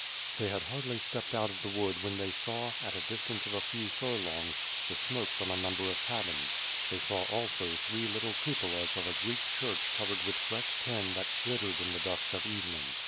They had hardly stepped out of the wood when they saw, at a distance of a few furlongs, the smoke from a number of cabins. They saw also three little cupolas of a Greek church covered with fresh tin that glittered in the dusk of evening.